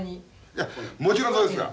いやもちろんそうですわ。